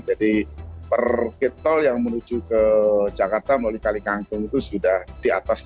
jadi per kitol yang menuju ke jakarta melalui kali kanggung itu sudah di atas tiga ribu